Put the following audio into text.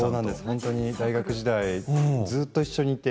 大学時代ずっと一緒にいて。